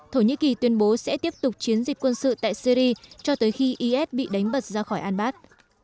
thổ nhĩ kỳ tuyên bố sẽ tiếp tục chiến dịch quân sự tại syri cho tới khi is bị đánh bật ra khỏi albad